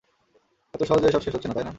এত সহজে এসব শেষ হচ্ছে না, তাই না?